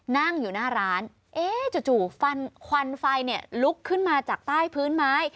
นั่งอยู่หน้าร้านเอ๊ะจู่ฟันควันไฟเนี่ยลุกขึ้นมาจากใต้พื้นไม้